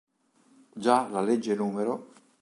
Già la legge n.